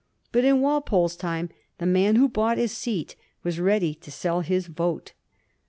But in Walpole's time the man who bought his seat was ready to sell his vote.